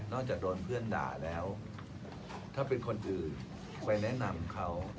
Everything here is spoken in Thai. จากโดนเพื่อนด่าแล้วถ้าเป็นคนอื่นไปแนะนำเขา